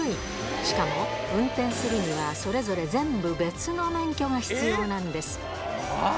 しかも運転するには、それぞれ全部別の免許が必要なんです。